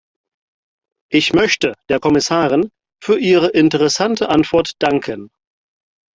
Ich möchte der Kommissarin für ihre interessante Antwort danken.